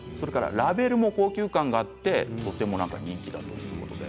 ラベルも高級感がって人気だということです。